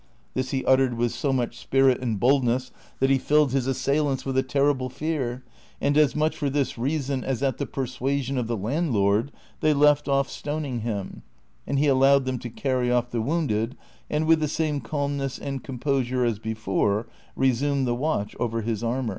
This he uttered with so much spirit and boldness that he filled his assailants with a terrible fear, and as much for this reason as at the persuasion of the landlord they left off stoning him, and he allowed them to carry off the wounded, and with the same calmness and composure as before resumed the watch over his armor.